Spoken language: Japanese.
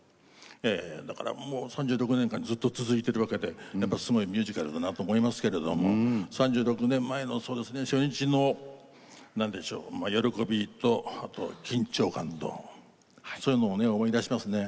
だからもう３６年間ずっと続いてるわけでやっぱすごいミュージカルだなと思いますけれども３６年前の初日の何でしょう喜びとあと緊張感とそういうのをね思い出しますね。